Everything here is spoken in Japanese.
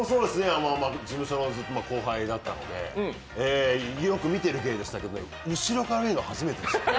事務所の後輩だったのでよく見てる芸でしたけど、後ろから見るの初めてでしたね。